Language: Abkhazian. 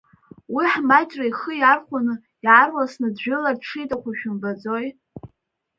Уи ҳмаҷра ихы иархәаны иаарласӡаны джәыларц шиҭаху шәымбаӡои?